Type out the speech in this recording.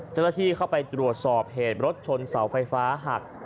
เจ้าหน้าที่เข้าไปตรวจสอบเหตุรถชนเสาไฟฟ้าหัก